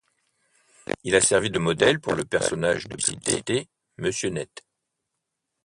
Il a servi de modèle pour le personnage de publicité Monsieur Net.